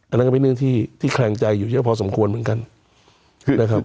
อันนั้นก็เป็นเรื่องที่แขลงใจอยู่เยอะพอสมควรเหมือนกันนะครับ